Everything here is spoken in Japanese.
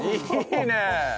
いいね！